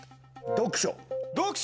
読書。